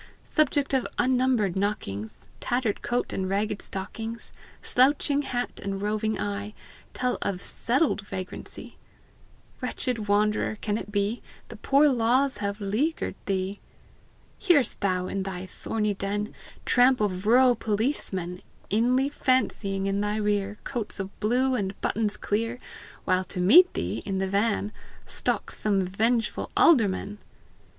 Subject of unnumbered knockings! Tattered' coat and ragged stockings, Slouching hat and roving eye, Tell of SETTLED vagrancy! Wretched wanderer, can it be The poor laws have leaguered thee? Hear'st thou, in thy thorny den, Tramp of rural policemen, Inly fancying, in thy rear Coats of blue and buttons clear, While to meet thee, in the van Stalks some vengeful alderman?